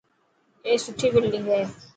اي سٺي بلڊنگ هي.